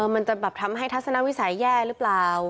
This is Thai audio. มันจะแบบทำให้ทัศนวิสัยแย่หรือเปล่า